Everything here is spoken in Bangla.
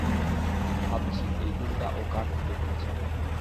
ভাবছি, এই গুণটা ও কার থেকে পেয়েছে?